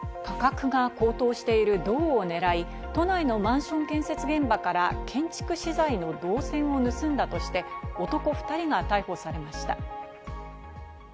価格が高騰している銅を狙い、都内のマンション建設現場から建築資材の銅線を盗んだとして、男２人が逮捕されました。